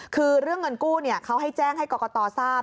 คือเรื่องเงินกู้เขาให้แจ้งให้กรกตทราบ